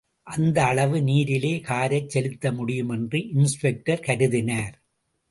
அந்த அளவு நீரிலே காரைச் செலுத்த முடியுமென்று இன்ஸ்பெக்டர் கருதினார்.